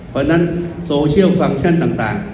เพราะฉะนั้นโซเชียลฟังก์ชั่นต่าง